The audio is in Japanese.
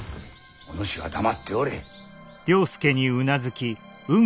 お主は黙っておれ。